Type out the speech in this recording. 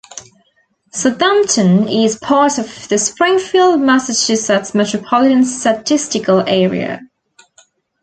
Southampton is part of the Springfield, Massachusetts Metropolitan Statistical Area.